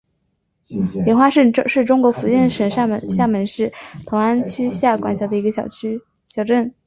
莲花镇是中国福建省厦门市同安区下辖的一个镇。